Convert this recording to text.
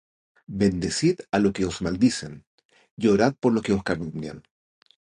Bendecid á los que os maldicen, y orad por los que os calumnian.